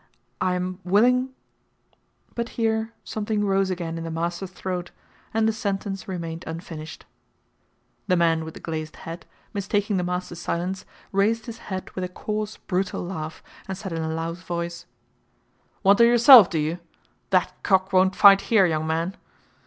I am willing " But here something rose again in the master's throat, and the sentence remained unfinished. The man with the glazed hat, mistaking the master's silence, raised his head with a coarse, brutal laugh, and said in a loud voice: "Want her yourself, do you? That cock won't fight here, young man!"